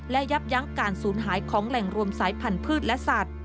และยับยั้งการสูญหายของแหล่งรวมสายพันธุ์และสัตว์